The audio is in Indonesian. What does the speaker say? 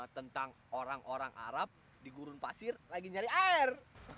tentang orang orang arab di gurun pasir lagi nyari air